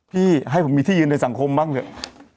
ให้ผมมีที่ยืนในสังคมบ้างเถอะ